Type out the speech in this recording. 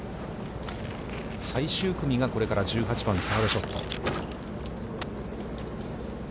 最終組がこれから１８番、サードショット。